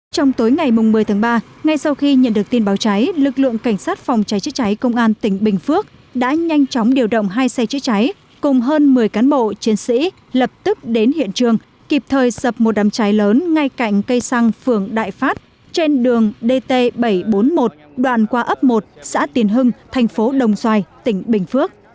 trong tối ngày một mươi tháng ba ngay sau khi nhận được tin báo cháy lực lượng cảnh sát phòng cháy chế cháy công an tỉnh bình phước đã nhanh chóng điều động hai xe chế cháy cùng hơn một mươi cán bộ chiến sĩ lập tức đến hiện trường kịp thời dập một đám cháy lớn ngay cạnh cây xăng phường đại pháp trên đường dt bảy trăm bốn mươi một đoạn qua ấp một xã tiền hưng thành phố đồng xoài tỉnh bình phước